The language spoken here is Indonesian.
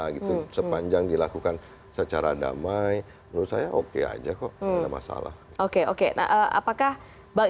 gitu sepanjang dilakukan secara damai menurut saya oke aja kok ada masalah oke oke nah apakah baik